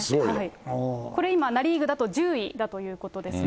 これ、今、ナ・リーグだと１０位だということですね。